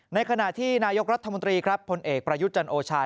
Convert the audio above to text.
ในขณะที่นายกรัฐมนตรีครับผลเอกประยุทธ์จันโอชา